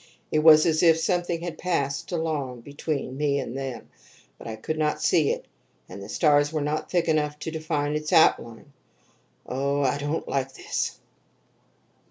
It was as if something had passed along between me and them; but I could not see it, and the stars were not thick enough to define its outline. Ugh! I don't like this.